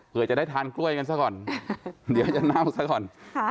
เพื่อจะได้ทานกล้วยกันซะก่อนเดี๋ยวจะเน่าซะก่อน